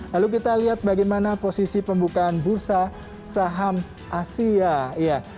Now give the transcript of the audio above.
lalu kita lihat bagaimana posisi pembukaan bursa saham asia